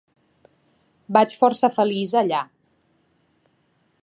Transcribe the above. Vaig força feliç allà.